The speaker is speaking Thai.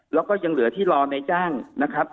แล้วก็ยังเหลือที่รอในจ้างนะครับ